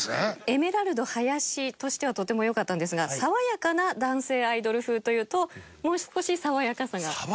エメラルド林としてはとてもよかったんですが爽やかな男性アイドル風というともう少し爽やかさがあっても。